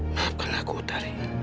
maafkan aku utari